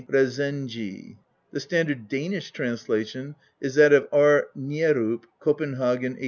Resenii, The stand ard Danish translation is that of R. Nyerup, Copenhagen, 1865.